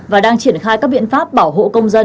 và đang triển khai các biện pháp bảo hộ công dân